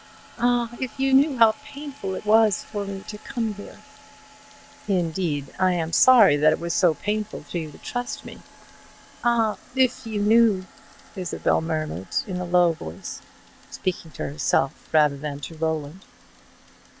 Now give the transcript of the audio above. Ah, if you knew how painful it was to me to come here!" "Indeed! I am sorry that it was so painful to you to trust me." "Ah, if you knew " Isabel murmured in a low voice, speaking to herself rather than to Roland.